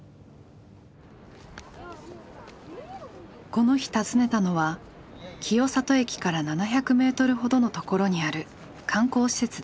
この日訪ねたのは清里駅から７００メートルほどのところにある観光施設です。